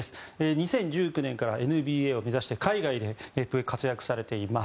２０１９年からＮＢＡを目指して海外で活躍されています。